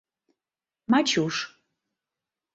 Мачуш.